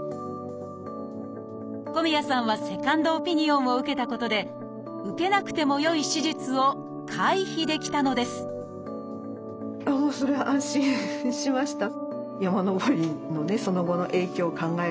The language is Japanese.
小宮さんはセカンドオピニオンを受けたことで受けなくてもよい手術を回避できたのですそれは安心しました。